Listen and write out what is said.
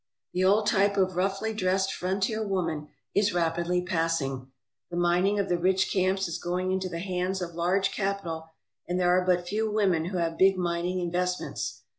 The old type of roughly dressed frontier woman is rapidly passing. The mining of the rich camps is going into the hands of large capital, and there are but few women who have big mining investments.